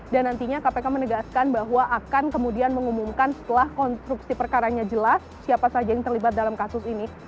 dan nantinya kpk menegaskan bahwa akan kemudian mengumumkan setelah konstruksi perkaranya jelas siapa saja yang terlibat dalam kasus ini